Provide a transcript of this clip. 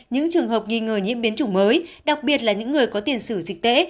những trường hợp nghi ngờ nhiễm biến chủng mới đặc biệt là những người có tiền sử dịch tễ